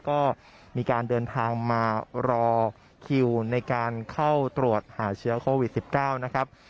ก็มีการเดินทางมารอคิวในการเข้าตรวจหาเชื้อโควิด๑๙นะครับ